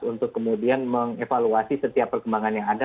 untuk kemudian mengevaluasi setiap perkembangan yang ada